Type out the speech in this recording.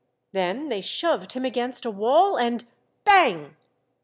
Then they shoved him against a wall, and — bang